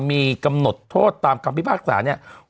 มีกำหนดโทษตามคำพิพากษาเนี่ย